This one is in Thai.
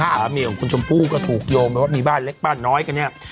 สามีของคุณชมพู่ก็ถูกโยงไปว่ามีบ้านเล็กบ้านน้อยกันเนี่ย